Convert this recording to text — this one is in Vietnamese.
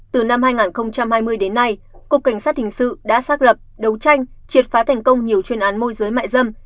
từ năm hai nghìn hai mươi đến nay cục cảnh sát hình sự đã xác lập đấu tranh triệt phá thành công nhiều chuyên án môi giới mại dâm